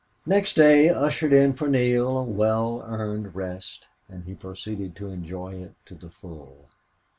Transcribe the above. Next day ushered in for Neale a well earned rest, and he proceeded to enjoy it to the full.